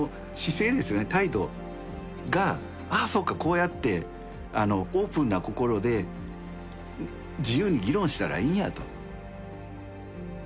態度が「ああそうかこうやってオープンな心で自由に議論したらいいんや」と。